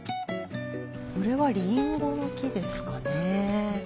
これはリンゴの木ですかね？